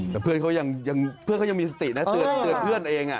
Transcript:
แต่เพื่อนเขายังมีสตินะเตือนเพื่อนเอง